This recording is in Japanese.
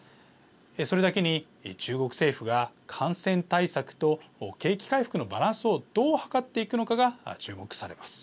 それだけに中国政府が感染対策と景気回復のバランスをどう図っていくのかが注目されます。